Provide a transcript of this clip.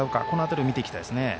この辺りを見ていきたいですね。